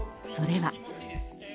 それは。